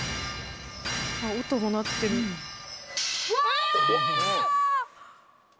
音が鳴ってるうわー！